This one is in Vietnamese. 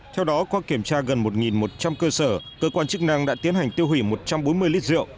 theo đó qua kiểm tra gần một một trăm linh cơ sở cơ quan chức năng đã tiến hành tiêu hủy một trăm bốn mươi lít rượu